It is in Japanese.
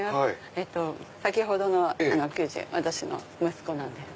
先ほどの給仕私の息子なんです。